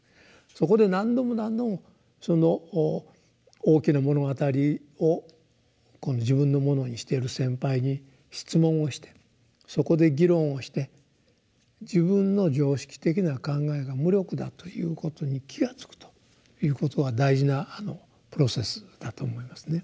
そこで何度も何度もその「大きな物語」を自分のものにしている先輩に質問をしてそこで議論をして自分の常識的な考えが無力だということに気が付くということは大事なプロセスだと思いますね。